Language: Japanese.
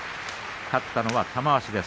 勝ったのは玉鷲です。